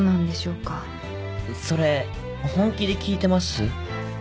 それ本気で聞いてます？